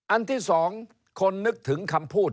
อันที่๒คนนึกถึงคำพูด